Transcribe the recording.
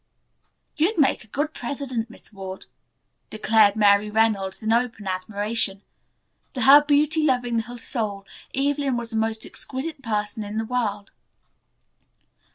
"You'd make a good president, Miss Ward," declared Mary Reynolds, in open admiration. To her beauty loving little soul Evelyn was the most exquisite person in the world.